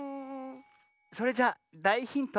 それじゃだいヒント。